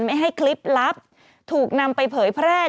ไม่ให้คลิปลับถูกนำไปเผยแพร่